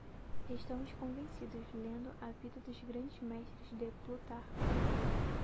Estamos convencidos lendo a Vida dos grandes mestres de Plutarco.